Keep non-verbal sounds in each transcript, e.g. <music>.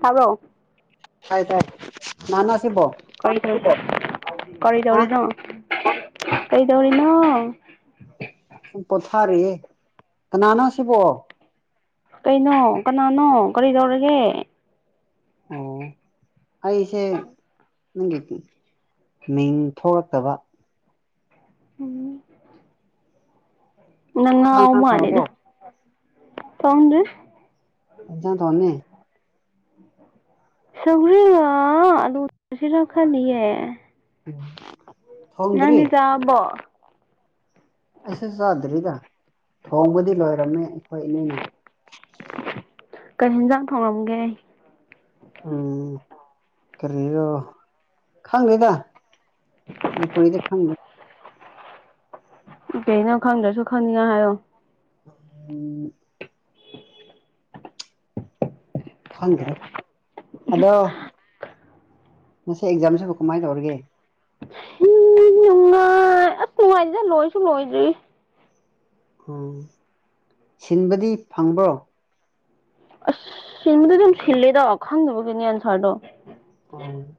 ꯇꯥꯕ꯭ꯔꫭ ꯇꯥꯏ ꯇꯥꯏ ꯀꯥꯟꯅꯅꫭ ꯁꯤꯕꯣ ꯑ ꯀꯔꯤꯗꯧꯔꯤꯅꫭ ꯀꯩꯗꯧꯔꯤꯅꫭ ꯁꯨꯝ ꯄꯣꯊꯥꯔꯤꯌꯦ ꯀꯟꯅꯥꯅꯣ ꯁꯤꯕꯣ ꯀꯩꯅꯣ ꯀꯟꯅꯥꯅꯣ ꯀꯔꯤꯗꯧꯔꯒꯦ ꯑꯣ ꯑꯩꯁꯦ ꯅꯪꯒꯤ ꯃꯤꯡ ꯊꯣꯛꯂꯛꯇꯕ ꯎꯝ ꯅꯪ ꯆꯥꯛ ꯏꯟꯁꯥꯡ ꯊꯣꯡꯉꯕꯣ ꯉꯥꯎꯃꯜꯂ‌ꯦꯗ ꯊꫭꯡꯗ꯭ꯔꯤ ꯑꯗꯨ <unintelligible> ꯏꯟꯁꯥꯡ ꯊꯣꯡꯅꯤ ꯁꯧꯒꯔꯤꯒ ꯑꯂꯨꯒ ꯊꫭꯡꯁꯤꯔꯥ ꯈꯟꯂꯤꯌ‌ꯦ ꯎꯝ ꯊꯣꯡꯗ꯭ꯔꯤ ꯅꯪꯗꯤ ꯆꯔꯥꯕꯣ ꯑꯩꯁꯨ ꯆꯥꯗ꯭ꯔꯤꯗ ꯊꯣꯡꯕꯗꯤ ꯂꯣꯏꯔꯝꯃꯦ ꯑꯩꯈꯣꯏ ꯏꯅꯦꯅ ꯀꯔꯤ ꯌꯦꯟꯖꯥꯡ ꯊꫭꯡꯉꯝꯒꯦ ꯎꯝ ꯀꯔꯤꯔꯣ ꯈꯪꯗ‌ꯦꯗ ꯃꯅꯤꯄꯨꯔꯤꯗ ꯈꯪꯗ‌ꯦ ꯀꯩꯅꯣ ꯈꯪꯗ꯭ꯔꯁꯨ ꯈꯪꯅꯤꯡꯉꯥꯏ ꯍꯥꯏꯌꯣ ꯎꯝ ꯈꯪꯗ꯭ꯔꯦ ꯑꯗꯣ ꯉꯁꯤ ꯑꯦꯛꯖꯥꯝꯁꯤꯕꯨ ꯀꯃꯥꯏꯅ ꯇꯧꯔꯒꯦ ꯅꯨꯡꯉꯥꯏ ꯑꯁ ꯅꯨꯡꯉꯥꯏꯇ‌ꯦꯗ ꯂꯣꯏꯁꯨ ꯂꯣꯏꯗ꯭ꯔꯤ ꯎꯝ ꯁꯤꯟꯕꯗꯤ ꯐꯪꯕ꯭ꯔꯣ ꯑꯁ ꯁꯤꯟꯕꯗꯤ ꯑꯗꯨꯝ ꯁꯤꯜꯂꯤꯗ ꯈꯪꯗꯕꯒꯤꯅꯤ ꯑꯟꯁꯔꯗꯣ ꯎꯨꯝ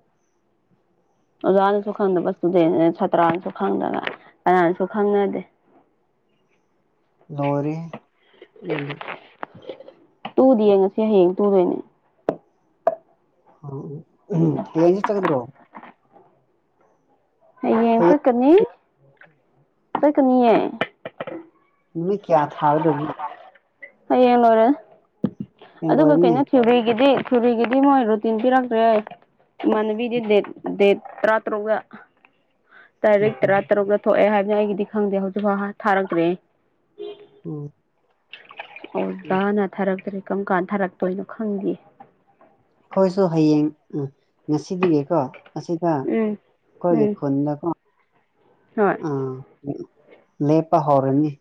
ꯑꯣꯖꯥꯅꯁꯨ ꯈꯪꯗꯕ ꯏꯁꯇꯨꯗꯦꯟ ꯁꯥꯇ꯭ꯔꯅꯁꯨ ꯈꯪꯗꯕ ꯀꯟꯅꯥꯅꯁꯨ ꯈꯪꯅꯗꯦ ꯂꫭꯏꯔ‌ꯦꯍ‌ꯦ ꯑꯗꯨꯗꯤ ꯇꯨꯗ‌ꯦ ꯌꯦꯡ ꯉꯁꯤ ꯍꯌꯦꯡ ꯇꯨꯗꯣꯏꯅꯦ ꯍꯌ‌ꯦꯡ‌ ꯍꯥꯡꯆꯤꯠ‌ ꯆꯠꯀꯗꯔꫭ ꯍꯌꯦꯡ ꯆꯠꯀꯅꯤ ꯆꯠꯀꯅꯤꯌꯦ ꯎ ꯀꯌꯥ ꯊꯥ ꯑꯗꯨꯗꯅ ꯍꯌꯦꯡ ꯂꯨꯔꯦ ꯍꯌꯦꯡ ꯑꯗꯨꯒ ꯂꯣꯏꯔꯅꯤ ꯀꯩꯅꯣ ꯊꯕꯤꯒꯤꯗꯤ ꯊꯨꯔ ꯀꯦꯗꯤ ꯃꯣꯏꯔꯣ ꯇꯤꯟꯗꯤꯤꯔꯛꯗꯦꯦ ꯃꯅꯕꯤꯗꯤ ꯗ ꯗꯦ ꯇꯔꯥ ꯇꯔꯨꯒ ꯎꯝ ꯇꯥꯔꯤꯛ ꯎꯝ ꯇꯔꯥ ꯎꯝ ꯇꯔꯨꯛꯇ ꯊꯣꯛꯑꯦ ꯍꯥꯏꯕꯅ ꯑꯩꯒꯤꯗꯤ ꯈꯪꯗꯦ ꯍꯧꯖꯤꯛꯐꯥꯎ ꯊꯥꯔꯛꯇ꯭ꯔꯦ ꯎꯝ ꯑꯣꯖꯥꯅ ꯊꯥꯔꯛꯇ꯭ꯔꯔꯤ ꯀꯔꯝ ꯀꯥꯟꯗ ꯊꯥꯔꯛꯇꯣꯏꯅꯣ ꯈꯪꯗꯦ ꯑꯩꯈꯣꯏꯁꯨ ꯍꯌꯦꯡ ꯎ ꯉꯁꯤꯗꯒꯤꯀꯣ ꯑꯁꯤꯗ ꯎꯝ ꯎꯝ ꯑꯩꯈꯣꯏꯒꯤ ꯐꯨꯜꯗꯀꯣ ꯍꯣꯏ ꯑ ꯂꯦꯄ ꯍꯧꯔꯅꯤ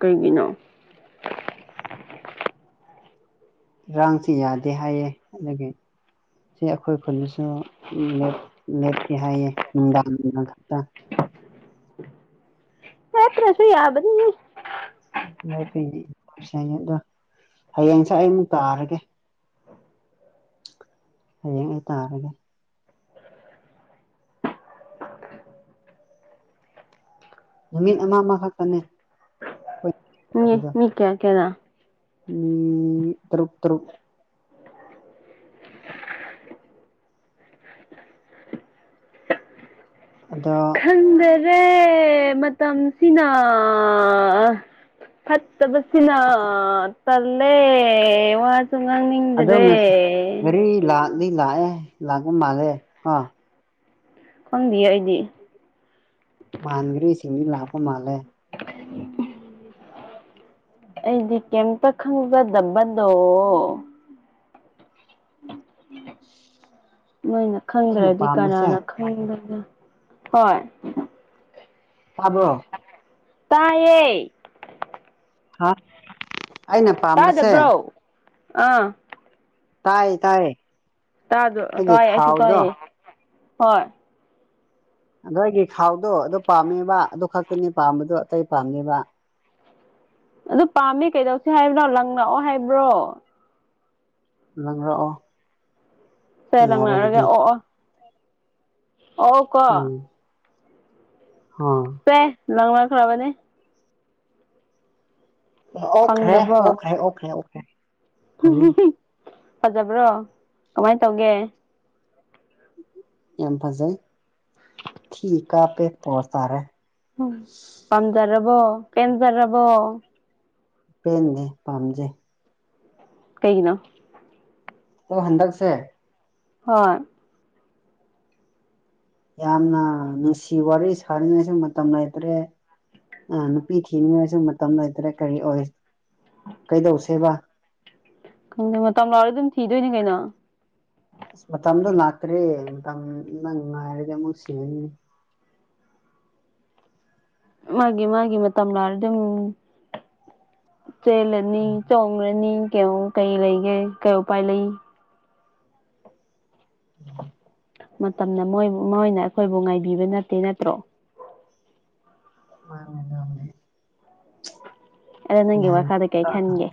ꯀꯩꯒꯤꯅꯣ ꯏꯔꯥꯡꯁꯤ ꯌꯥꯗꯦ ꯍꯥꯏꯌꯦꯦ ꯑꯗꯨꯗꯒꯤ ꯁꯤ ꯑꯩꯈꯣꯏ ꯈꯨꯜꯗꯁꯨ ꯎꯦꯞ ꯂꯦꯞ ꯁ ꯍꯥꯏꯗꯥ ꯈ ꯌꯥꯠꯇ꯭ꯔꯁꯨ ꯌꯥꯕꯅꯤ ꯂꯐꯅꯤꯅꯤ ꯑꯗꯣ ꯍꯌꯦꯡꯁꯦ ꯑꯩ ꯑꯃꯨꯛ ꯇꯥꯔꯒꯦ ꯍꯌꯦꯡ ꯑꯩ ꯇꯥꯔꯒꯦ ꯅꯨꯃꯤꯠ ꯑꯃ ꯑꯃꯈꯛꯇꯅꯦ ꯍꯣꯏ ꯃꯤ ꯃꯤ ꯀꯌꯥ ꯀꯦꯗꯥ ꯎꯝ ꯇꯔꯨꯛ ꯇꯔꯨꯛ ꯑꯗ ꯈꯪꯗꯔꯦ ꯃꯇꯝꯁꯤꯅ ꯍꯠꯇꯕꯁꯅ ꯇꯂꯦ ꯋꯥ ꯁꯨꯃꯥꯡꯅꯤꯡꯗ꯭ꯔꯦ ꯗꯤ ꯂꯥꯛꯑꯦ ꯂꯥꯛꯒꯨ ꯃꯔꯦ ꯑ ꯀꯕꯤꯌ ꯑꯣꯏꯗꯤ ꯃꯥꯟꯒꯔꯁꯤꯡꯗꯤ ꯂꯥꯛꯄ ꯃꯥꯂꯦ ꯎ ꯑꯩꯗꯤ ꯀꯩꯇ ꯈꯪꯖꯗꯕꯗꯣ ꯃꯣꯏꯅ ꯑꯩꯅ ꯈꯪꯗ꯭ꯔꯗꯤ ꯄꯥꯝꯕꯁꯦ ꯀꯅꯥꯅ ꯈꯪꯗꯒꯦ ꯍꯣꯏ ꯇꯥꯕ ꯇꯥꯏꯦ ꯍꯥ ꯑꯩꯅ ꯄꯥꯝꯕꯁꯦ ꯇꯥꯗꯕ꯭ꯔꯣ ꯑꯥ ꯇꯥꯏꯌꯦ ꯇꯥꯏꯌꯦ ꯇꯥꯖ ꯇꯥꯏ ꯑꯁꯨ ꯇꯥꯏꯌꯦ ꯍꯣꯏ ꯑꯗ ꯑꯩꯒꯤ ꯈꯥꯎꯗꯣ ꯑꯗꯨ ꯄꯥꯝꯃꯦꯕ ꯑꯗꯨ ꯈꯛꯇꯅꯤ ꯄꯥꯝꯕꯗꯣ ꯑꯇꯩ ꯄꯥꯝꯅꯦꯕ ꯑꯗꯨ ꯄꯥꯝꯃꯤ ꯀꯩꯗꯧꯁꯤ ꯍꯥꯏꯕ꯭ꯔꯣ ꯂꯪ ꯂꯛꯑꯣ ꯍꯥꯏꯕ꯭ꯔꯣ ꯂꯪꯔꯛꯑꯣ ꯁꯦ ꯂꯪꯅꯔꯒꯦ ꯌꯥꯔꯒꯗꯤ ꯑꯣ ꯑꯣ ꯑꯣ ꯀꯣ ꯑ ꯂꯪꯃ ꯈ꯭ꯔꯕꯅꯦ ꯑꯣꯈ꯭ꯔꯦ ꯐꯪꯗ꯭ꯔꯕꯣ ꯑꯣꯈ꯭ꯔꯦ ꯑꯣꯈ꯭ꯔꯦ ꯑꯣꯦ ꯐꯖꯕ꯭ꯔꯣ ꯀꯃꯥꯏꯅ ꯇꯧꯒꯦ ꯌꯥꯝ ꯐꯁꯩ ꯊ ꯀꯄꯦ ꯄꯔ ꯇꯥꯔꯦ ꯎ ꯄꯥꯝꯖꯔꯕꯣ ꯄꯦꯟꯖꯔꯕꯣ ꯄꯦꯟꯟꯅꯦ ꯄꯥꯝꯖꯩ ꯀꯩꯒꯤꯅꯣ ꯑꯣ ꯍꯟꯗꯛꯁꯦ ꯍꯣꯏ ꯌꯥꯝꯅ ꯅꯨꯡꯁꯤ ꯋꯥꯔꯤ ꯁꯥꯔꯤꯉꯩꯁꯨ ꯃꯇꯝ ꯂꯩꯇ꯭ꯔꯦ ꯑꯥ ꯅꯨꯄꯤ ꯊꯤꯅꯤ ꯑꯣꯏꯔꯁꯨ ꯃꯇꯝ ꯂꯇ꯭ꯔꯦ ꯀꯔꯤ ꯑꯣꯏ ꯀꯩꯗꯧꯁꯦꯕ ꯈꯪꯗꯦ ꯃꯇꯝ ꯂꯥꯎꯔ ꯑꯗꯨꯝ ꯊꯤꯗꯣꯏꯅꯦ ꯀꯩꯅꯣ ꯑꯁ ꯃꯇꯝꯗꯣ ꯉꯥꯛꯇ꯭ꯔꯦ ꯃꯇꯝꯅꯪ ꯉꯥꯏꯔꯗꯤ ꯑꯃꯨꯛ ꯁꯤꯉꯅꯤ <inaudible> ꯃꯥꯒꯤ ꯃꯥꯒꯤ ꯃꯇꯝ ꯂꯅꯥꯔ ꯑꯗꯨꯝ ꯆꯦꯜꯂꯅꯤ ꯎꯝ ꯆꯣꯡꯡꯂꯅꯤ ꯀꯩꯅꯣ ꯀꯩ ꯂꯩꯒꯦ ꯀꯩ ꯎꯄꯥꯏ ꯂꯩ ꯎꯝ ꯃꯇꯝꯅꯣꯏ ꯃꯣꯏꯅ ꯑꯩꯈꯣꯏꯕꯨ ꯉꯥꯏꯕꯤꯕ ꯅꯠꯇꯦ ꯅꯠꯇ꯭ꯔꯣ ꯃꯥꯉꯗꯅꯦꯅꯤ ꯑꯗ ꯅꯪꯒꯤ ꯋꯥꯈꯥꯗ ꯀꯩ ꯈꯪꯦ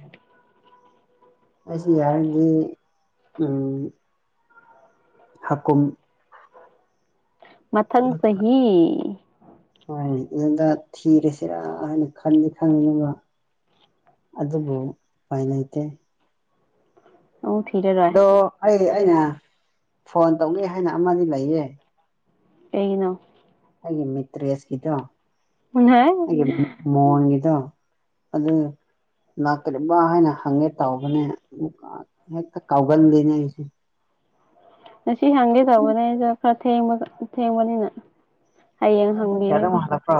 ꯑꯁ ꯌꯥꯔꯗꯤ ꯎꯝ ꯍꯥꯀꯨꯝ ꯃꯊꯪ ꯆꯍꯤꯍꯤ ꯍ ꯑꯗꯨꯗ ꯊꯤꯔꯁꯤꯔ ꯍꯥꯏꯅ ꯈꯟꯗꯤ ꯈꯪꯅꯕ ꯑꯗꯨꯕꯨ ꯎꯄꯥꯏꯅꯩꯇꯦ ꯎ ꯊꯤꯔꯦ ꯔꯣꯏ ꯁꯤ ꯑꯩꯅ ꯐꯣꯟ ꯇꯧꯒꯦ ꯍꯥꯏꯅ ꯑꯃꯗꯤ ꯂꯩꯌꯦ ꯀꯩꯅꯣ ꯑꯩꯒꯤ ꯃꯤꯇ꯭ꯔꯦꯁꯒꯗꯣ ꯑꯩꯦ ꯃꯣꯍꯟꯗꯣ ꯑꯗ ꯂꯥꯛꯀꯗꯔꯤꯕ ꯍꯥꯏꯅ ꯍꯪꯉꯦ ꯇꯥꯎꯧꯕꯅꯦ ꯍꯦꯛꯇ ꯀꯥꯎꯒꯟꯗꯅꯦ ꯑꯩꯁꯦ ꯉꯁꯤ ꯍꯪꯒꯦ ꯇꯧꯕꯅꯦ ꯑꯩꯁꯨ ꯈꯔꯕ ꯊꯦꯡꯕꯅꯤꯅ ꯍꯌꯦꯡ ꯅꯪ ꯄꯨꯡ ꯀꯌꯥꯗ ꯍꯪꯕꯤꯔꯒꯦ ꯑꯃꯨꯛ ꯍꯜꯂꯛꯄ꯭ꯔꯣ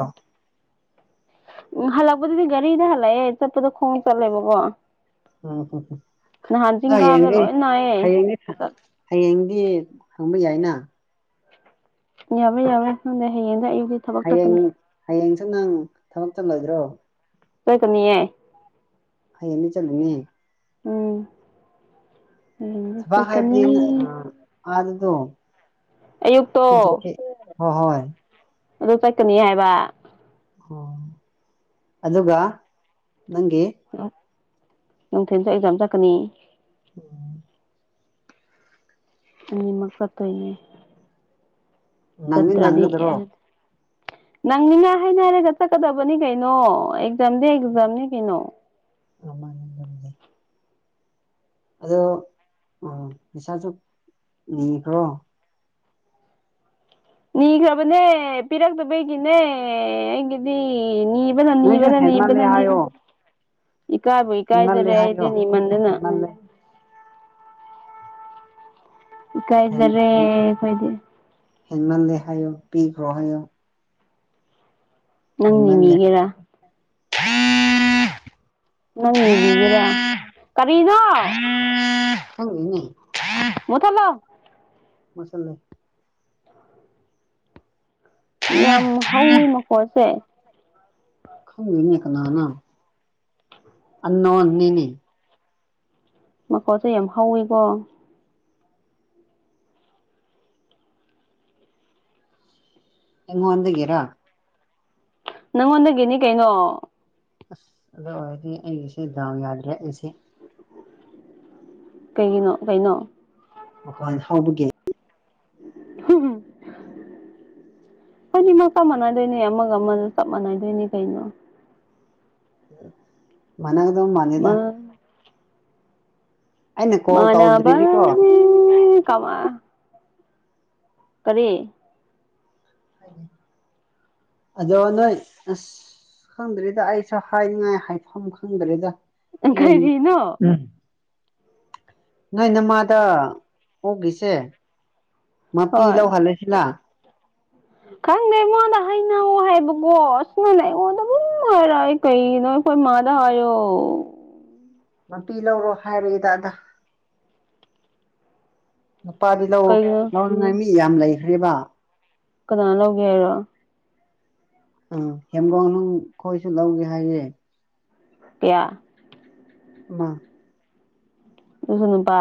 ꯎ ꯍꯜꯂꯛꯄꯗꯨꯗꯤ ꯒꯥꯔꯤꯗ ꯍꯜꯂꯛꯑꯦ ꯆꯠꯄꯗ ꯈꯣꯡ ꯆꯠꯂꯦꯕꯀꯣ ꯑ ꯍ ꯍ ꯅꯍꯥꯟ ꯆꯤꯡ ꯀꯥꯕꯗ ꯍꯌꯦꯡꯒ ꯂꯣꯏ ꯅꯥꯏꯌꯦ ꯍꯌꯦꯡ ꯍꯌꯦꯡ ꯗꯤ ꯍꯪꯕ ꯌꯥꯏꯅ ꯌꯥꯕ ꯌꯥꯕ꯭ꯔ ꯍꯌꯦꯡ꯭ꯔ ꯏ ꯍꯌꯦꯡ ꯍꯌꯦꯡꯁꯨ ꯅꯪ ꯊꯕꯛ ꯆꯝꯂꯣꯏꯗ꯭ꯔꯣ ꯀꯣꯏꯀꯅꯤ ꯅꯤ ꯆꯂꯅꯤ ꯎꯝ ꯎꯀꯅꯤ ꯑꯗꯗꯣ ꯍꯣꯏ ꯑꯗꯨ ꯆꯠꯀꯅꯤ ꯍꯥꯏꯕ ꯑꯣ ꯑꯗꯨꯒ ꯅꯪꯒꯤ ꯅꯨꯡꯊꯤꯟ ꯆ ꯑꯦꯖꯥꯝ ꯆꯠꯀꯅꯤ ꯑꯃꯛ ꯀꯇꯣꯏꯅꯦ ꯅꯪꯗꯤ ꯁꯇ꯭ꯔꯥꯗꯤ ꯅꯪꯒꯗ꯭ꯔꯣ ꯅꯪ ꯃꯤꯅ ꯍꯥꯏꯅ ꯍꯥꯏꯔꯒ ꯆꯠꯀꯗꯕꯅꯤ ꯀꯩꯅꯣ ꯖꯝꯗꯦꯖꯝꯅꯦ ꯀꯩꯅꯣ ꯑꯃ ꯉꯝꯖꯦ ꯑꯗꯣ ꯄꯩꯁꯥꯁꯨ ꯕ꯭ꯔꯣ ꯅꯤꯈ꯭ꯔꯕꯅꯦ ꯄꯤꯔꯛꯇꯕꯩꯒꯤꯅꯦ ꯑꯩꯒꯤꯗꯤ ꯅꯤ ꯏꯕ ꯅꯅꯤ ꯏꯕ ꯅꯣꯏꯁꯨ ꯇꯅꯤ ꯍꯦꯟꯃꯜꯂꯦ ꯏꯕꯗꯅꯤ ꯍꯥꯏꯌꯣ ꯏ ꯀꯥꯏꯕꯨ ꯏ ꯍꯦꯟꯃꯜꯂꯦ ꯀꯥꯏꯗꯔꯦ ꯍꯥꯏꯌꯣ ꯍꯥꯏꯗꯅꯤ ꯃꯟꯗꯅ ꯍꯦꯟꯃꯜꯂꯦ ꯏ ꯀꯥꯏꯗꯗꯔꯦ ꯀꯣꯏꯗꯦ ꯍꯦꯟꯃꯜ ꯗꯦ ꯍꯌ ꯄꯤꯈ ꯔꯣꯍꯣ ꯅꯪ ꯑꯩꯃ ꯂꯩꯗꯦ ꯅꯤꯕꯤꯒꯦꯔꯥ ꯅꯪ ꯅꯅꯤꯕꯤꯒꯦꯔꯥ ꯀꯔꯤꯅꯣ ꯈꯪꯗꯦꯅꯦ ꯃꯨꯊꯠꯂꯣ ꯃꯁꯜꯂꯩ ꯌꯥꯝ ꯍꯧꯋꯤ ꯃꯈꯣꯟꯁꯦ ꯈꯪꯗꯦꯅꯦ ꯀꯅꯥꯅꯥ ꯑꯟꯅꯣ ꯑꯟꯅ‌ꯣꯟꯅꯤꯅꯦ ꯃꯈ‌ꯣꯜꯁꯦ ꯌꯥꯝ ꯍꯧꯋꯤꯀꯣ ꯑꯩ ꯉꯣꯟꯗꯒꯤꯔꯥ ꯅꯪꯉꯣꯟꯗꯒꯤꯅꯤ ꯀꯩꯅꯣ ꯑꯁ ꯑꯗꯨ ꯑꯣꯏꯔꯗꯤ ꯑꯩꯒꯤꯁꯦ ꯗꯥꯎ ꯌꯥꯗ꯭ꯔꯦ ꯑꯩꯁꯦ ꯀꯩꯒꯤꯅꯣ ꯀꯩꯅꯣ ꯃꯈꯣꯜ ꯍꯥꯎꯕꯒꯤ ꯍꯝ ꯐꯅꯤꯃꯛ ꯆꯞ ꯃꯥꯟꯅꯗꯣꯏꯅꯦ ꯑꯃꯒ ꯑꯃꯒ ꯆꯞ ꯃꯥꯟꯅꯗꯣꯏꯅꯤ ꯀꯩꯅꯣ ꯃꯅꯥꯒꯗꯕ ꯃꯥꯟꯗꯦꯗ ꯃꯥ ꯑꯩꯅ ꯀꯣꯜ ꯃꯥꯟꯅꯕ ꯇꯧꯗ꯭ꯔꯤꯗꯤꯀꯣ ꯀꯃ ꯀꯔꯤ ꯑꯗꯣ ꯅꯣꯏ ꯑꯁ ꯈꯪꯗ꯭ꯔꯤꯗ ꯑꯩꯁꯨ ꯍꯥꯏꯅꯤꯡꯉꯥꯏ ꯍꯥꯏꯐꯝ ꯈꯪꯗ꯭ꯔꯤꯗ ꯀꯔꯤꯅꯣ ꯅꯣꯏ ꯅꯃꯥꯗ ꯑꯣꯛꯈꯤꯁꯦ ꯃꯥꯄꯤ ꯍꯣꯏ ꯂꯧ ꯍꯜꯂꯁꯤꯂ ꯈꯪꯗꯦ ꯑꯩꯉꯣꯟꯗ ꯍꯩꯅꯧ ꯍꯥꯏꯕꯀꯣ ꯑꯁ ꯅꯪꯅ ꯑꯩꯉꯣꯟꯗꯕꯨꯝ ꯍꯥꯏꯔ ꯑꯩ ꯀꯩꯅꯣ ꯑꯩꯈꯣꯏ ꯃꯥꯗ ꯍꯥꯏꯑꯣ ꯃꯄꯤ ꯂꯧꯔꯣ ꯍꯥꯏꯔꯛꯑꯦꯗ ꯑꯗ ꯂꯨꯄꯥꯗꯤ ꯂꯧ ꯀꯩꯒꯤꯅꯣ ꯂꯧꯅꯤꯡꯉꯥꯏ ꯃꯤ ꯌꯥꯝ ꯂꯩꯈ꯭ꯔꯦꯕ ꯀꯅꯥ ꯂꯧꯒꯦ ꯍꯥꯏꯔꯣ ꯑ ꯍꯦꯝꯒꯣꯡꯅꯨꯡ ꯑꯩꯈꯣꯏꯁꯨ ꯂꯧꯒꯦ ꯍꯥꯏꯌꯦ ꯀꯥꯌꯥ ꯃꯥ ꯑꯗꯨꯁꯨ ꯅꯨꯄꯥ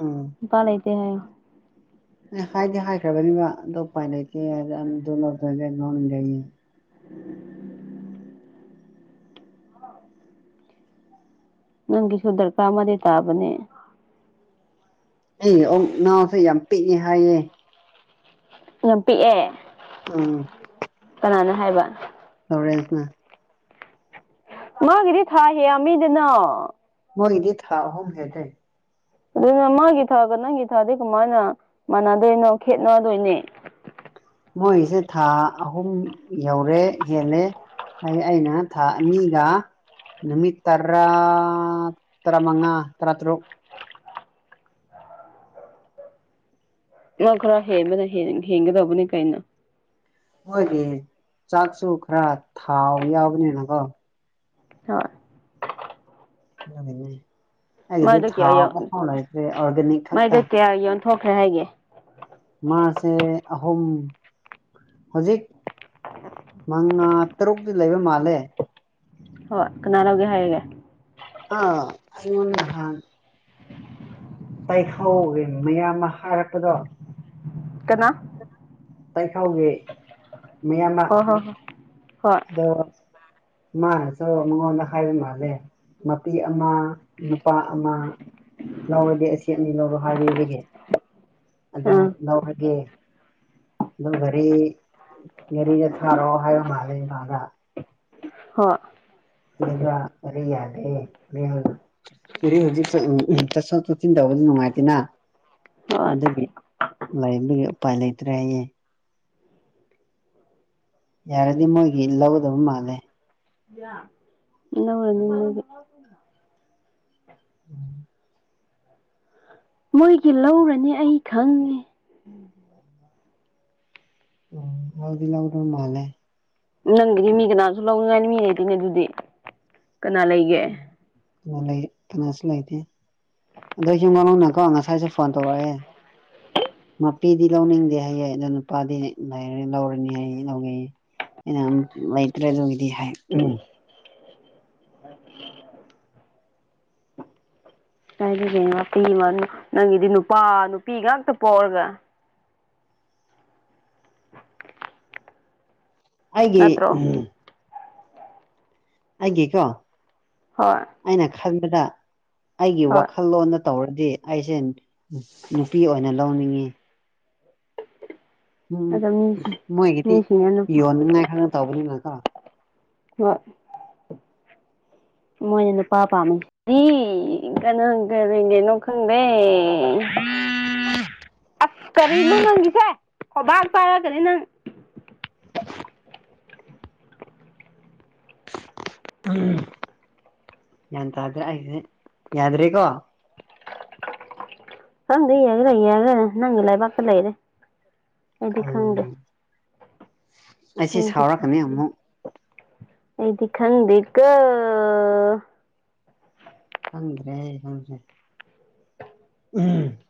ꯎꯝ ꯅꯨꯄꯥ ꯂꯩꯇꯦ ꯍꯥꯏꯌꯣ ꯑꯦ ꯍꯥꯏꯗꯤ ꯍꯥꯏꯈ꯭ꯔꯕꯅꯤꯕ ꯑꯗꯨ ꯎꯄꯥꯏ ꯂꯩꯇꯦ ꯑꯅꯤꯗꯣ ꯅꯠꯇ꯭ꯔꯗꯤ ꯂꯧꯅꯤꯡꯗꯦꯑꯩ ꯅꯪꯒꯤꯁꯨ ꯗꯔꯀꯥꯔ ꯑꯃꯗꯤ ꯇꯥꯕꯅꯦ ꯑꯩ ꯑꯣꯛ ꯅꯥꯎꯁꯨ ꯌꯥꯝ ꯄꯤꯛꯑꯦ ꯍꯥꯏꯌꯦ ꯌꯥꯝ ꯄꯤꯛꯑꯦ ꯎꯝ ꯀꯅꯥꯅ ꯍꯥꯏꯕ ꯂꯣꯔꯦꯟꯁ ꯅꯥ ꯃꯥꯒꯤꯗꯤ ꯊꯥ ꯍꯦ ꯌꯥꯝ ꯃꯤꯗꯨꯅ ꯃꯣꯏ ꯒꯤꯗꯤ ꯊꯥꯍꯣꯝ ꯍꯦꯜ ꯂꯦ ꯑꯗꯨꯅ ꯃꯥꯒꯤ ꯊꯥꯒ ꯅꯪꯒꯤ ꯊꯥꯗꯤ ꯀꯃꯥꯏꯅ ꯃꯥꯟꯅꯗꯣꯏꯅꯣ ꯈꯦꯠꯅꯗꯣꯏꯅꯤ ꯃꯣꯏꯁꯦ ꯊꯥ ꯑꯍꯨꯝ ꯌꯧꯔꯦ ꯍꯦꯜꯂꯦ ꯍꯥꯏ ꯑꯩꯅ ꯊꯥꯅꯤꯒ ꯅꯨꯃꯤꯠꯇ ꯇꯔꯥ ꯇꯔꯃꯉꯥ ꯇꯔꯥ ꯇ꯭ꯔꯨꯛ ꯅꯪ ꯈꯔ ꯍꯦꯟꯕꯅ ꯍꯦꯟꯒꯗꯧꯕꯅꯤ ꯀꯩꯅꯣ ꯃꯣꯏꯒꯤ ꯆꯥꯛꯁꯨ ꯈꯔ ꯊꯥꯎ ꯌꯥꯎꯕꯅꯤꯅꯀꯣ ꯍꯥ ꯑꯗꯨ ꯅꯥꯅꯤ ꯑꯩꯒꯤꯗꯤ ꯃꯥꯏꯗꯣ ꯊꯥꯎ ꯀꯌꯥ ꯌꯧ ꯑꯥꯃꯐꯥꯎ ꯂꯩꯇ꯭ꯔꯦ ꯑꯣꯔꯒꯥꯅꯤꯛ ꯈꯛꯇ ꯃꯥꯏꯗ ꯀꯌꯥ ꯌꯣꯟꯊꯣꯛꯈ꯭ꯔꯦ ꯍꯥꯏꯒꯦ ꯃꯥ ꯁꯦ ꯑꯍꯣꯝ ꯍꯧꯖꯤꯛ ꯃꯉꯥ ꯇꯔꯨꯛꯇꯤ ꯂꯩꯕ ꯃꯥꯜꯂꯦ ꯍꯣꯏ ꯀꯅꯥꯂꯧꯒꯦ ꯍꯥꯏꯔꯒꯦ ꯑ ꯑꯩꯉ ꯇꯥꯏꯍꯧ ꯃꯌꯥꯝ ꯑꯃ ꯍꯥꯏꯔꯛꯄꯗꯣ ꯀꯅꯥ? ꯇꯥꯏꯈꯥꯎꯒꯤ ꯃꯌꯥꯝ ꯑꯃ ꯍꯣꯏ ꯍꯣꯏ ꯍꯣꯏ ꯍꯣꯏ ꯑꯗꯣ <inaudible> ꯃꯥꯅꯦ ꯁ ꯃꯉꯣꯟꯗ ꯍꯥꯏꯕ ꯃꯥꯜꯂꯦ ꯃꯄꯤ ꯑꯃ ꯅꯨꯄꯥ ꯑꯃ ꯂꯧꯔꯗꯤꯦ ꯑꯁꯤꯦ ꯑꯅꯤ ꯂꯧꯔꯣ ꯍꯥꯏꯔꯤꯔꯒꯦ ꯑꯗꯣ ꯎꯝ ꯂꯧꯔꯒꯦ ꯑꯗꯨꯗ ꯔꯤ ꯔꯤ ꯆ ꯊꯥꯔꯣꯑꯣ ꯍꯥꯏ ꯃꯥꯗ ꯑꯗ ꯍ ꯑꯗꯨꯒ ꯑꯔꯤ ꯌꯥꯗꯦ ꯌꯥ ꯍꯧꯖꯤꯛ ꯆ ꯁ ꯅꯨꯡꯉꯥꯏꯇꯦꯅ ꯍꯣꯏ ꯑꯗꯨꯒꯤ ꯂꯩꯔꯝꯕꯒꯤ ꯎꯄꯥꯏ ꯂꯩꯇ꯭ꯔꯦ ꯑꯩꯌꯦꯦ ꯌꯥꯔꯗꯤ ꯃꯣꯏꯒꯤ ꯂꯧꯗꯕ ꯃꯥꯜꯂꯦ ꯂꯧꯔꯅꯤ ꯃꯣꯏꯒꯤ ꯎꯝ <unintelligible> <inaudible> ꯃꯣꯏꯒꯤ ꯂꯧꯔꯅꯤ ꯑꯩ ꯈꯪꯉꯦ ꯎ ꯍꯧꯗꯤ ꯂꯗ ꯃꯥꯅꯦꯦ ꯅꯪꯒꯤꯗꯤ ꯃꯤ ꯀꯅꯥꯁꯨ ꯂꯧꯅꯤꯡꯉꯥꯏꯅꯤ ꯃꯤ ꯂꯩꯇꯣꯏꯅꯦ ꯑꯗꯨꯗꯤ ꯀꯅꯥ ꯂꯩꯒꯦ ꯂꯩ ꯐꯅꯁꯨ ꯂꯩꯇꯦ ꯑꯗꯣꯁꯨ ꯃꯅꯨꯡꯗꯅꯀꯣ ꯉꯁꯥꯏꯁꯦ ꯐꯣꯟ ꯇꯧꯔꯛꯑꯦ ꯅꯨꯄꯤꯗꯤ ꯂꯧꯅꯤꯡꯗꯦ ꯍꯥꯏꯌꯦ ꯑꯗ ꯅꯨꯄꯥꯗꯤ ꯂꯧꯔꯅꯤ ꯍꯥꯏꯌꯦ ꯂꯧꯒꯩꯌꯦ ꯃꯩꯇ꯭ꯔ ꯑꯗꯨꯗꯤ ꯍꯥꯏ ꯎꯝ ꯍꯥꯏꯔꯤ ꯀ ꯉꯄꯤꯤ ꯅꯪꯒꯤꯗꯤ ꯅꯨꯄꯥ ꯅꯨꯄꯤ ꯉꯥꯛꯇ ꯄꯥꯎꯔꯒ ꯑꯩꯒꯤꯦ ꯅꯠꯇ꯭ꯔꯣ ꯑꯦ ꯀꯣ <inaudible> ꯍꯣꯏ ꯈꯟꯕꯗ ꯑꯩꯒꯤ ꯍꯣꯏ ꯋꯥꯈꯜꯂꯣꯟꯗ ꯇꯧꯔꯗꯤ ꯑꯩꯁꯦ ꯅꯨꯄꯤ ꯑꯣꯏꯅ ꯂꯧꯅꯤꯡꯏꯤ ꯎꯝ ꯑꯗꯣ ꯃꯤꯁꯤ ꯃꯣꯏꯒꯗꯤ ꯃꯤꯁꯤꯡꯅ ꯅꯨꯄꯥ ꯌꯟꯅꯥ ꯈꯅ ꯇꯕꯅꯤ ꯅ ꯀ ꯍꯣꯏ <inaudible> ꯃꯣꯏꯅ ꯅꯨꯄꯥ ꯄꯥꯝꯃꯤ ꯁꯤ ꯀꯅꯥ ꯀꯔꯤꯦꯡꯒꯦꯅꯣ ꯈꯪꯗꯦ ꯑ ꯀꯔꯤꯅꯣ ꯅꯪꯒꯤꯁ ꯍꯣꯕꯥꯛ ꯄꯒꯅꯤ ꯅꯪ ꯎ ꯒ꯭ꯌꯥꯟ ꯇꯥꯗ꯭ꯔꯦ ꯑꯩꯁꯦ ꯌꯥꯗ꯭ꯔꯦꯀꯣ ꯍꯪꯗ ꯌꯥꯒ꯭ꯔ ꯌꯥꯒꯦ ꯅꯪ ꯂꯩꯥꯏ ꯄꯥꯛꯀ ꯂꯩꯔꯦ ꯑꯗꯨꯗꯤ ꯈꯒ ꯎꯝ ꯑꯩꯁꯦ ꯑꯗꯨꯗꯤ ꯈꯪ ꯁꯥꯎꯔꯛꯀꯅꯤ ꯑꯃꯨꯛ ꯑꯩꯗꯤ ꯈꯪꯗ ꯀ ꯈꯪꯗ꯭ꯔꯦ ꯑꯩ ꯈꯪꯗ꯭ꯔꯦ ꯎꯝ <inaudible>